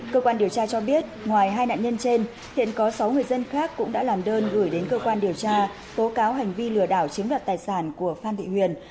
cơ quan điều tra cho biết ngoài hai nạn nhân trên hiện có sáu người dân khác cũng đã làm đơn gửi đến cơ quan điều tra tố cáo hành vi lừa đảo chiếm đoạt tài sản của phan thị huyền